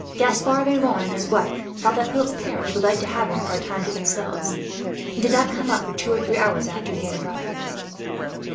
Gaspard Vaillant and his wife thought that Philip's parents would like to have him, for a time, to themselves; and did not come up for two or three hours after he had arrived.